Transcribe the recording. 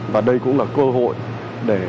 và đây cũng là cơ hội để